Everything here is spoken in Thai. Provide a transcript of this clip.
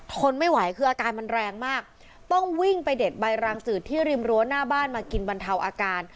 ทนไม่ไหวคืออาการมันแรงมากต้องวิ่งไปเด็ดใบรางจืดที่ริมรั้วหน้าบ้านมากินบรรเทาอาการ